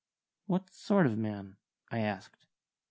"What sort of man?" I asked.